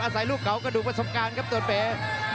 อาศัยรูปเก่ากะดุประสบการณ์ครับจบแบบ